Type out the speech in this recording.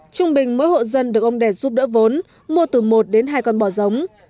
trung bình mỗi hộ dân được ông đẹp giúp đỡ vốn mua từ một đến hai con bò giống